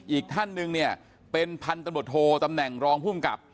อีกท่านหนึ่งเป็นพันธุ์ตำรวจโทรตำแหน่งรองพุ่มกับ